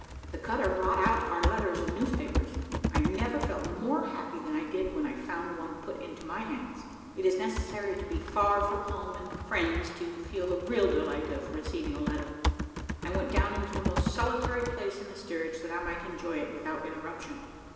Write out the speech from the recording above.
The cutter brought out our letters and newspapers. I never felt more happy than I did when I found one put into my hands. It is necessary to be far from home and friends, to feel the real delight of receiving a letter. I went down into the most solitary place in the steerage, that I might enjoy it without interruption.